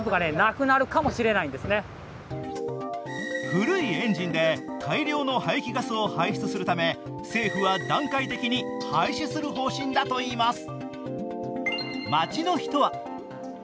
古いエンジンで大量の排気ガスを排出するため政府は段階的に廃止する方針だといいます。